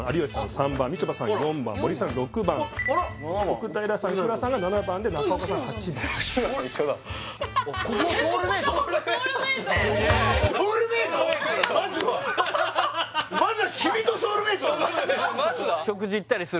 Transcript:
３番みちょぱさん４番森さん６番奥平さん吉村さんが７番で中岡さん８番まずはまずは？